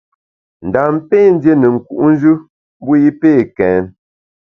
Ndam pé ndié ne nku’njù mbu i pé kèn.